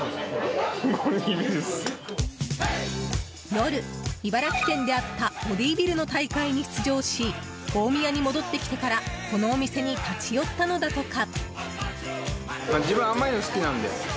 夜、茨城県であったボディービルの大会に出場し大宮に戻ってきてからこのお店に立ち寄ったのだとか。